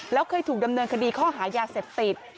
แล้วเคยถูกดำเนินคดีข้อหายาเสพติด